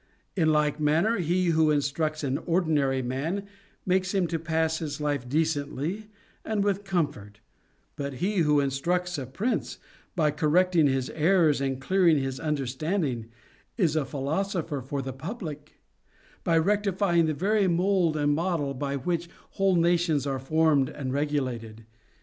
In like manner, he who instructs an ordinary man makes him to pass his life decently and with comfort ; but he who instructs a prince, by correcting his errors and clearing his understanding, is a philosopher for the public, by rectify ing the very mould and model by which whole nations are formed and regulated.